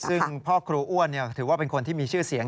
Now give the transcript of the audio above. ซึ่งพ่อครูอ้วนถือว่าเป็นคนที่มีชื่อเสียง